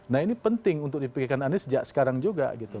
nah ini penting untuk dipikirkan anies sejak sekarang juga gitu